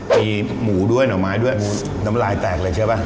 ดูหมูด้วยแตกเลยด้วยน้ำลายแตกเลยเริ่มโอ้คือเกลียด